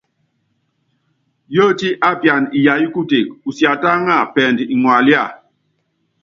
Yótí ápiana iyayɔ́ kuteke, usiatáŋa pɛɛndú iŋalía.